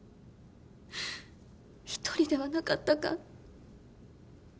１人ではなかったか。